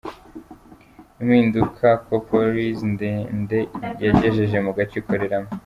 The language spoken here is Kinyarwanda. Impinduka Coproriz Ntende yagejeje mu gace ikoreramo.